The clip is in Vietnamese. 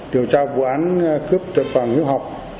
điều tra vụ án cướp tiệm vàng hiệu học